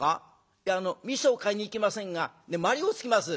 「いやみそは買いに行きませんが鞠をつきます。